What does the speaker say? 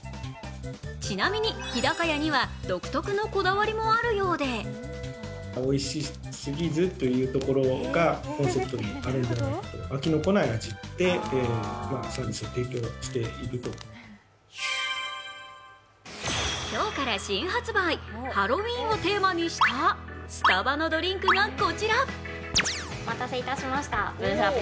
ちなみに、日高屋には独特のこだわりもあるようで今日から新発売ハロウィーンをテーマにしたスタバのドリンクがこちら。